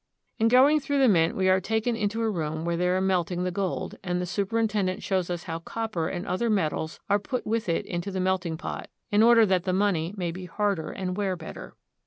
In going through the mint we are taken into a room where they are melting the gold, and the superintendent shows us how copper and other metals are put with it into the melting pot, in order that the money may be harder and wear better.